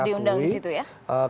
ya kalau saya akui